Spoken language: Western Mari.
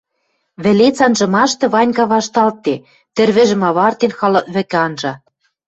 Вӹлец анжымашты Ванька вашталтде, тӹрвӹжӹм авартен, халык вӹкӹ анжа.